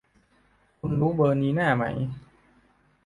คุณรู้เบอร์นีน่าไหม